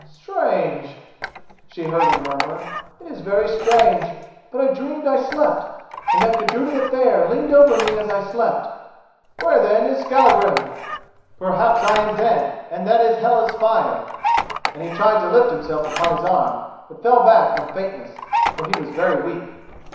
"Strange!" she heard him murmur, "it is very strange! but I dreamed I slept, and that Gudruda the Fair leaned over me as I slept. Where, then, is Skallagrim? Perhaps I am dead and that is Hela's fire," and he tried to lift himself upon his arm, but fell back from faintness, for he was very weak.